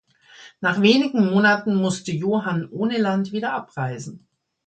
Nach wenigen Monaten musste Johann Ohneland wieder abreisen.